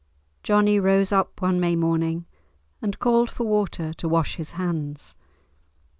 Johnie rose up one May morning, and called for water to wash his hands.